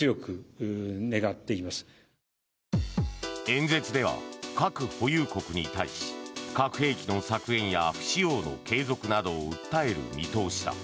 演説では核保有国に対し核兵器の削減や不使用の継続などを訴える見通しだ。